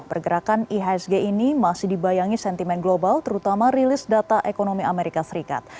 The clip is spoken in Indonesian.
pergerakan ihsg ini masih dibayangi sentimen global terutama rilis data ekonomi amerika serikat